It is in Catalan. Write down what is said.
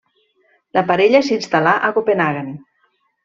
La parella s'instal·là a Copenhaguen.